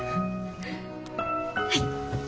はい。